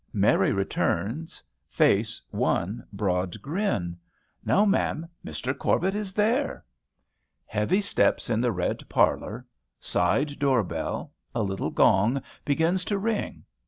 Mary returns, face one broad grin. "No, ma'am, Mr. Corbet is there." Heavy steps in the red parlor. Side door bell a little gong, begins to ring.